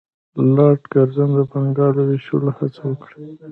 لارډ کرزن د بنګال د ویشلو هڅه وکړه.